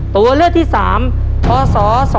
ตัวเลือกที่๓พศ๒๕๖